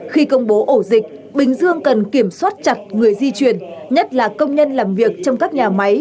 khi công bố ổ dịch bình dương cần kiểm soát chặt người di chuyển nhất là công nhân làm việc trong các nhà máy